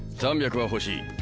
３００は欲しい。